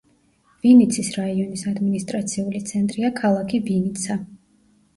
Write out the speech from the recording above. ვინიცის რაიონის ადმინისტრაციული ცენტრია ქალაქი ვინიცა.